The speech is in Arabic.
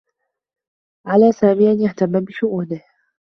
على سامي أن يهتمّ بشؤونه.